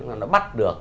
nó bắt được